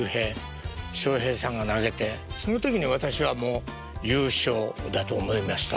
その時に私はもう「ゆうしょう」だと思いました。